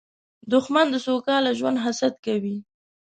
دښمن د سوکاله ژوند حسد کوي